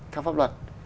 theo pháp luật